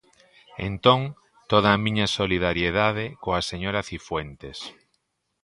Entón, toda a miña solidariedade coa señora Cifuentes.